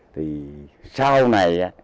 thì sau này